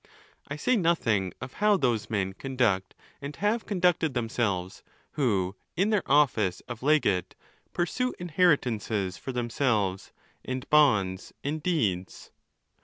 I say nothing of how those men conduct and have conducted themselves, who, in their office of legate, pursue inheritances for themselves, and bonds, and deeds.